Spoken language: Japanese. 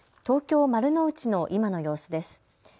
東京・丸の内の今の様子です。